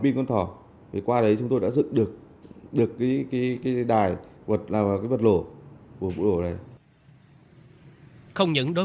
pin con thỏ thì qua đấy chúng tôi đã dựng được cái đài là cái vật lổ của vụ lổ này không những đối